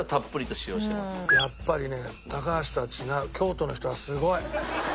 やっぱりね。